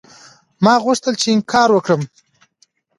ما غوښتل چې انکار وکړم.